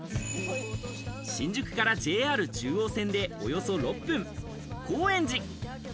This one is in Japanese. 新宿からＪＲ中央線でおよそ６分、高円寺。